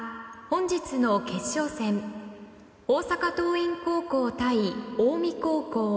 本日の決勝戦大阪桐蔭高校対近江高校。